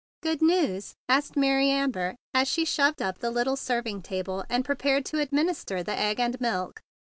"Good news?" asked Mary Amber as she shoved up the little serving table and prepared to administer the egg and milk.